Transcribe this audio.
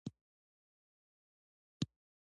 هغه ورته د زړه ژبه ور زده کوي.